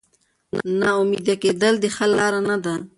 نا امیده کېدل د حل لاره نه ده.